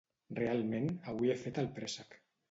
Realment avui he fet el préssec.